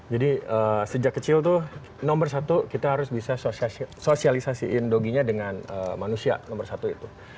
jadi sejak kecil tuh nomor satu kita harus bisa sosialisasiin doginya dengan manusia nomor satu itu